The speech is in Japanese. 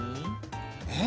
えっ？